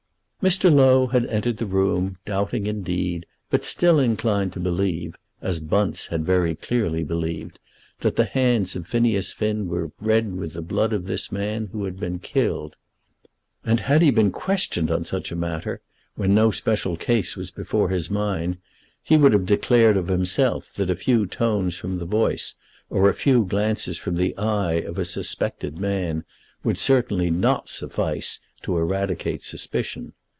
Mr. Low had entered the room, doubting indeed, but still inclined to believe, as Bunce had very clearly believed, that the hands of Phineas Finn were red with the blood of this man who had been killed. And, had he been questioned on such a matter, when no special case was before his mind, he would have declared of himself that a few tones from the voice, or a few glances from the eye, of a suspected man would certainly not suffice to eradicate suspicion.